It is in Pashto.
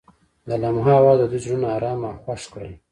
د لمحه اواز د دوی زړونه ارامه او خوښ کړل.